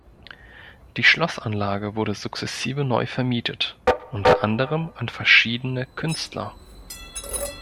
Die Schlossanlage wurde sukzessive neu vermietet, unter anderem an verschiedene Künstler.